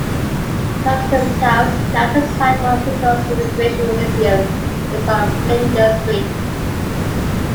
Customs House, now the site for Victoria's Immigration Museum, is on Flinders Street.